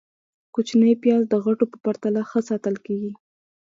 - کوچني پیاز د غټو په پرتله ښه ساتل کېږي.